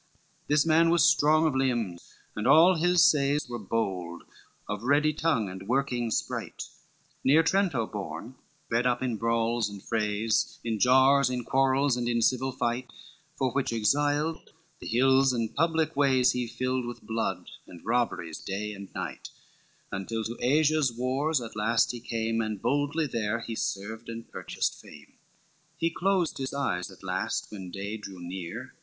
LVIII This man was strong of limb, and all his 'says Were bold, of ready tongue, and working sprite, Near Trento born, bred up in brawls and frays, In jars, in quarrels, and in civil fight, For which exiled, the hills and public ways He filled with blood, and robberies day and night Until to Asia's wars at last he came, And boldly there he served, and purchased fame. LIX He closed his eyes at last when day drew near.